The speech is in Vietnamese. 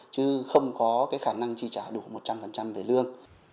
chứ không có khả năng trị trả đủ một trăm linh về lương